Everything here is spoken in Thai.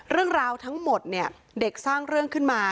เรื่องราวทั้งหมดเนี่ยเด็กสร้างเรื่องขึ้นมา